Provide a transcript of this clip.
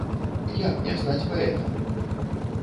Як не стаць паэтам?!